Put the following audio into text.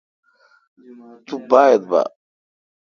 تو با اعبار ۔